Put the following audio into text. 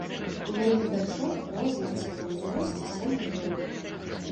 У маіх дачок розніца ва ўзросце сем гадоў.